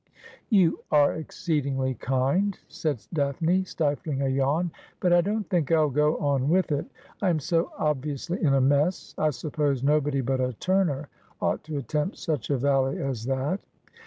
'You are exceedingly kind,' said Daphne, stifling a yawn, ' but I don't think I'll go on with it. I am so obviously in a mess ; I suppose nobody but a Turner ought to attempt such a valley as that.'